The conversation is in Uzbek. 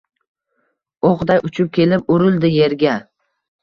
O’qday uchib kelib urildi yerga…